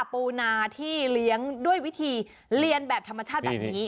ปูนาที่เลี้ยงด้วยวิธีเรียนแบบธรรมชาติแบบนี้